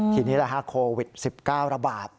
ทีนี้โควิด๑๙ระบาด